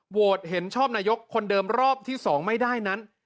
เห็นชอบนายกคนเดิมรอบที่๒ไม่ได้นั้น